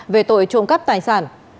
về tội trộm cắt tài sản